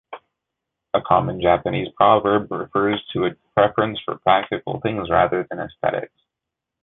A common Japanese proverb refers to a preference for practical things rather than aesthetics.